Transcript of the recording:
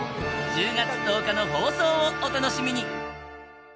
１０月１０日の放送をお楽しみに